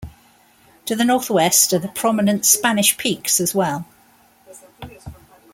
To the northwest are the prominent Spanish Peaks as well.